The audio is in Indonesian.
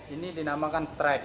ini dinamakan stride